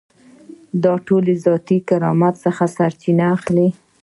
دا ټول د ذاتي کرامت څخه سرچینه اخلي.